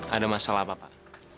ada masalah apa pak